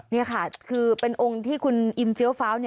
นี่ค่ะคือเป็นองค์ที่คุณอิมเฟี้ยวฟ้าว